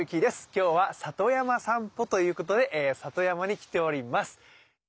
今日は里山さんぽということで里山に来ております。